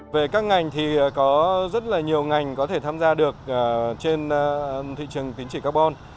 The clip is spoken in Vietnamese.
về các ngành thì có rất là nhiều ngành có thể tham gia được trên thị trường tín chỉ carbon